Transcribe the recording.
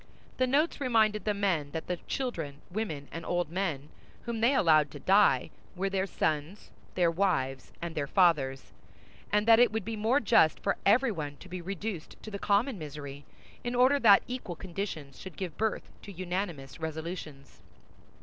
The notes reminded the men that the children, women, and old men whom they allowed to die were their sons, their wives, and their fathers, and that it would be more just for everyone to be reduced to the common misery, in order that equal conditions should give birth to unanimous resolutions.